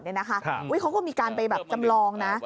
เขาก็มีการไปแบบจำลองนะ